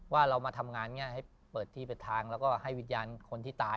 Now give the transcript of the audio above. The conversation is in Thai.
ว่าเรามาทำงานให้เปิดที่เป็นทางแล้วก็ให้วิญญาณคนที่ตาย